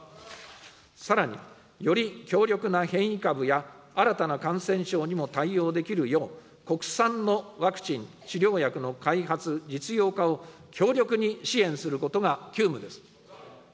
さらに、より強力な変異株や、新たな感染症にも対応できるよう、国産のワクチン・治療薬の開発・実用化を強力に支援することが急務です。